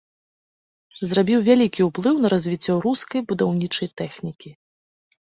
Зрабіў вялікі ўплыў на развіццё рускай будаўнічай тэхнікі.